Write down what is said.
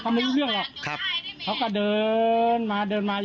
โทษแล้วลูกบ้านหน่อย